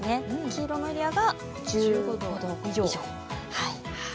黄色のエリアが１５度以上。